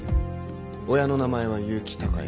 親の名前は結城鷹也。